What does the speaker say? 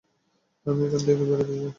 আমি এখান থেকে বেরোতে চাই।